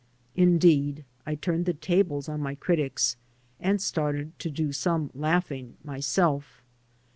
Indeed, I turned the tables on my critics, and started to do some laughing myself.